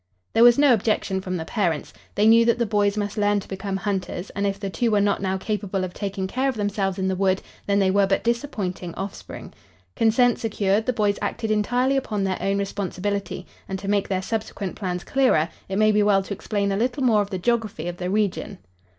There was no objection from the parents. They knew that the boys must learn to become hunters, and if the two were not now capable of taking care of themselves in the wood, then they were but disappointing offspring. Consent secured, the boys acted entirely upon their own responsibility, and, to make their subsequent plans clearer, it may be well to explain a little more of the geography of the region.